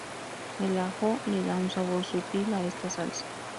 El ajo le da un sabor sutil a esta salsa.